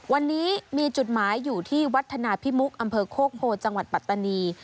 วันนี้มีจุดหมายอยู่ที่วัฒนาพิมุกอำเภอโคกโพจังหวัดปัตตานี